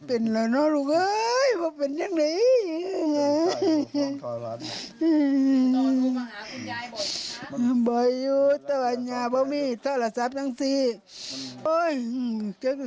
เป็นอ่ะน่ะลูกตอนนี้เำ็นแล้วเป็นยังไง